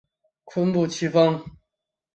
坤布崎峰